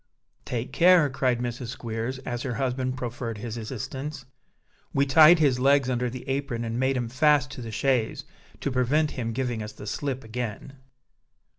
"Take care," cried Mrs. Squeers, as her husband proffered his assistance. "We tied his legs under the apron and made 'em fast to the chaise, to prevent him giving us the slip again."